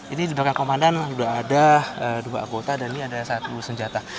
ini di belakang komandan sudah ada dua anggota dan ini ada satu senjata